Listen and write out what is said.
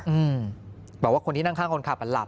อืมบอกว่าคนที่นั่งข้างคนขับอ่ะหลับ